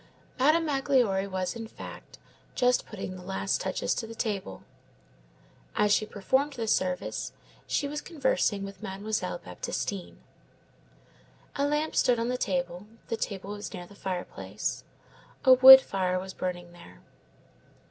Madame Magloire was, in fact, just putting the last touches to the table. As she performed this service, she was conversing with Mademoiselle Baptistine. A lamp stood on the table; the table was near the fireplace. A wood fire was burning there.